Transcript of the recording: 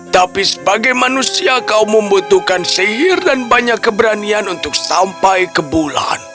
tapi sebagai manusia kau membutuhkan sihir dan banyak keberanian untuk sampai ke bulan